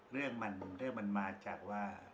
เรื่องมันมาจากว่า